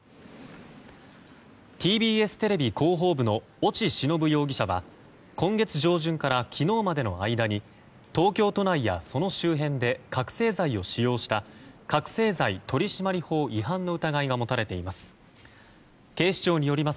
ＴＢＳテレビ広報部の越智忍容疑者は今月上旬から昨日までの間に東京都内やその周辺で覚醒剤を使用した覚醒剤取締法違反の疑いが持たれています。